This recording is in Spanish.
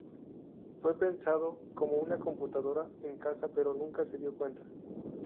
Fue pensado como una computadora en casa, pero nunca se dio cuenta.